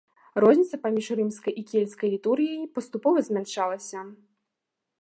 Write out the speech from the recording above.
Розніца паміж рымскай і кельцкай літургіяй паступова змяншалася.